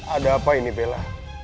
ada apa ini bella